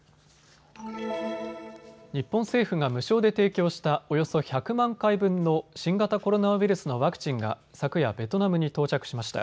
日本政府が無償で提供したおよそ１００万回分の新型コロナウイルスのワクチンが昨夜、ベトナムに到着しました。